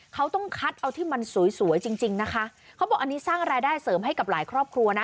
เขาต้องคัดเอาที่มันสวยสวยจริงจริงนะคะเขาบอกอันนี้สร้างรายได้เสริมให้กับหลายครอบครัวนะ